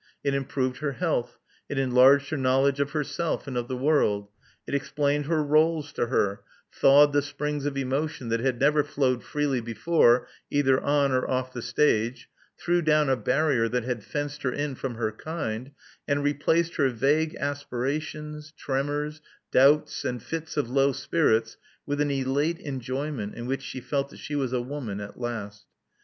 It improved her health ; it enlarged her knowledge of herself and of the world; it explained her roles to her, thawed the springs of emotion that had never flowed freely before either on or off the stage, threw down a barrier that had fenced her in from her kind, and replaced her vague aspirations, tremors, doubts, and fits of low spirits with an elate enjoyment in which she felt that she was a woman at last.